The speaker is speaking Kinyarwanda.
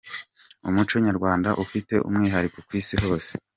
umuco nyarwanda ufite umwihariko kwisi hose